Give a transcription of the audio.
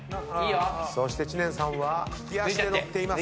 そして知念さんは利き足で乗っています。